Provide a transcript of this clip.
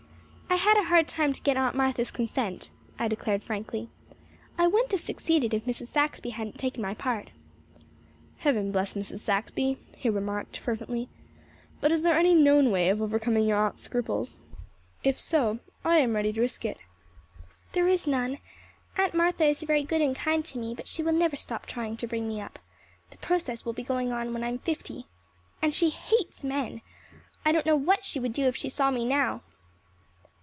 "I had a hard time to get Aunt Martha's consent," I declared frankly. "I wouldn't have succeeded if Mrs. Saxby hadn't taken my part." "Heaven bless Mrs. Saxby," he remarked fervently. "But is there any known way of overcoming your aunt's scruples? If so, I am ready to risk it." "There is none. Aunt Martha is very good and kind to me, but she will never stop trying to bring me up. The process will be going on when I am fifty. And she hates men! I don't know what she would do if she saw me now."